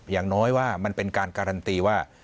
อย่างน้อยว่ามันเป็นการการันตีว่า